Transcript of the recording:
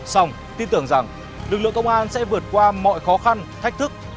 xong tin tưởng rằng lực lượng công an sẽ vượt qua mọi khó khăn thách thức